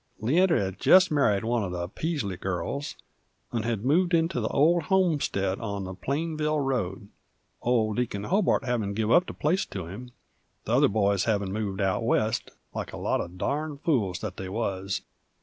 Leander had jest marr'd one uv the Peasley girls, 'nd had moved into the old homestead on the Plainville road, old Deacon Hobart havin' give up the place to him, the other boys havin' moved out West (like a lot o' darned fools that they wuz!).